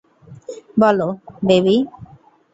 বলো, বেবি।